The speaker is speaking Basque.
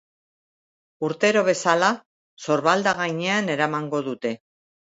Urtero bezala, sorbalda gainean eramango dute.